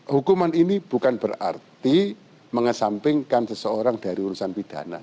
hukuman ini bukan berarti mengesampingkan seseorang dari urusan pidana